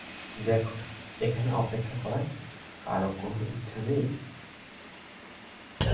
দেখো, এখানে অপেক্ষা করার কারো কোন ইচ্ছা নেই।